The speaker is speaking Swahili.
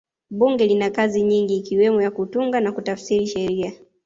bunge lina kazi nyingi ikiwemo ya kutunga na kutafsiri sheria